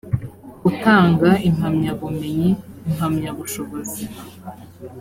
gutanga impamyabumenyi impamyabushobozi